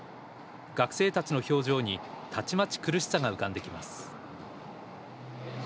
学生たちの表情にたちまち苦しさが浮かんできます。